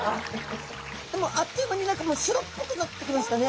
でもあっという間に何か白っぽくなってきましたね。